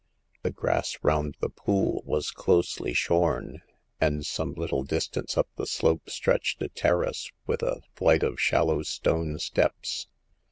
The grass round the pool was closely shorn, and some little distance up the slope stretched a terrace with a flight of shallow stone steps.